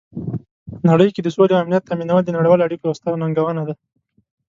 نړۍ کې د سولې او امنیت تامینول د نړیوالو اړیکو یوه ستره ننګونه ده.